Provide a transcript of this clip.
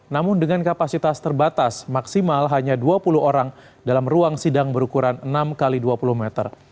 namun dengan kapasitas terbatas maksimal hanya dua puluh orang dalam ruang sidang berukuran enam x dua puluh meter